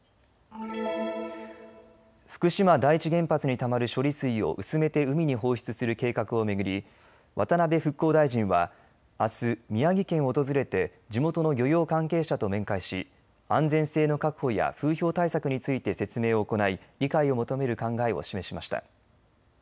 福島第一原発にたまる処理水を薄めて海に放出する計画を巡り渡辺復興大臣はあす宮城県を訪れて地元の漁業関係者と面会し安全性の確保や風評対策について説明を行い理解を求める考えを示しました。